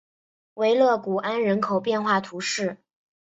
维勒古安人口变化图示